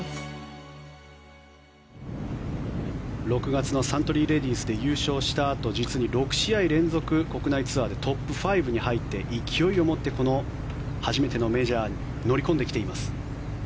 ６月のサントリーレディスで優勝したあと実に６試合連続、国内ツアーでトップ５に入って勢いをもってこの初めてのメジャーに乗り込んできています。